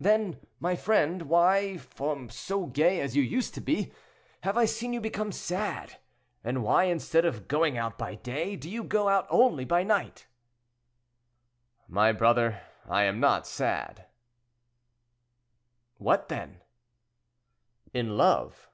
"Then, my friend, why, from so gay as you used to be, have I seen you become sad? and why, instead of going out by day, do you only go out at night?" "My brother, I am not sad." "What, then?" "In love."